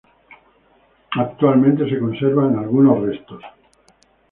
Actualmente se conservan algunos restos.